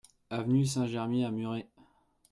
Avenue Saint-Germier à Muret